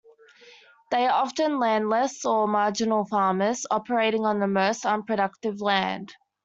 They are often landless or marginal farmers operating on the most unproductive land.